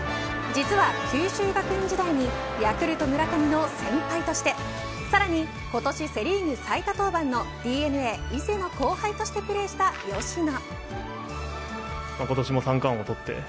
実は九州学院時代にヤクルト村上の先輩としてさらに今年セ・リーグ最多登板のＤｅＮＡ伊勢の後輩としてプレーした吉野。